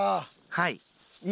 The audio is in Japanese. はい。